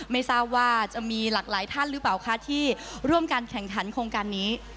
ไม่ทราบว่าจะมีหลากหลายท่านหรือเปล่าคะที่ร่วมการแข่งขันโครงการนี้